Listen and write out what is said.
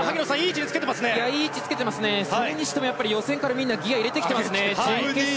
それにしても予選からギアを入れてきていますね。